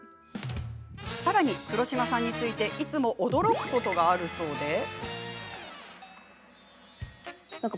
さらに、黒島さんについていつも驚くことがあるそうです。